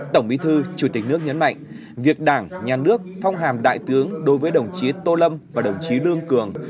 tổng bí thư chủ tịch nước nhấn mạnh việc đảng nhà nước phong hàm đại tướng đối với đồng chí tô lâm và đồng chí lương cường